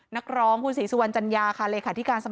นักร้องพูดฬิพฤษีสุวรรณจัญญาคศาลลกรรม